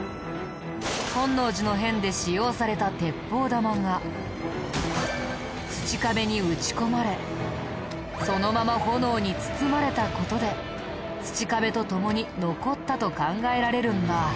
本能寺の変で使用された鉄砲玉が土壁に撃ち込まれそのまま炎に包まれた事で土壁と共に残ったと考えられるんだ。